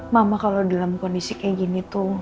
mama kalau dalam kondisi kayak gini tuh